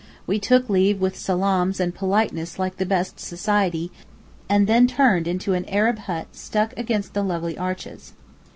We took leave with salaams and politeness like the best society, and then turned into an Arab hut stuck against the lovely arches.